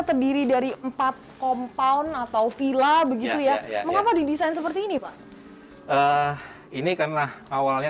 terdiri dari empat kompon atau villa begitu ya mengapa didesain seperti ini pak ini karena awalnya